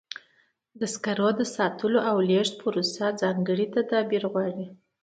د سکرو د ساتلو او لیږد پروسه ځانګړي تدابیر غواړي.